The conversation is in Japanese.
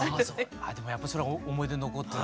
でもやっぱりそれは思い出に残ってる？